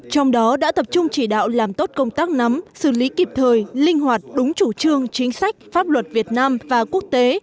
trong đó đã tập trung chỉ đạo làm tốt công tác nắm xử lý kịp thời linh hoạt đúng chủ trương chính sách pháp luật việt nam và quốc tế